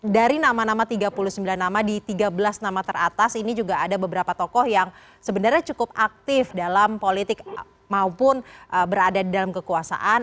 dari nama nama tiga puluh sembilan nama di tiga belas nama teratas ini juga ada beberapa tokoh yang sebenarnya cukup aktif dalam politik maupun berada dalam kekuasaan